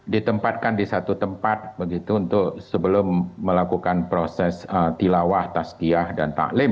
ditempatkan di satu tempat begitu untuk sebelum melakukan proses tilawah taskiyah dan taklim